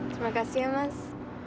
terima kasih ya mas